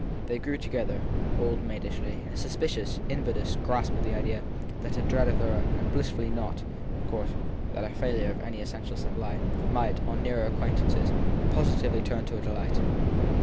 They drew together, old maid ishly, in a suspicious, invidious grasp of the idea that a dread of their very own and blissfully not, of course, that of a failure of any essential supply might, on nearer acquaint ance, positively turn to a delight.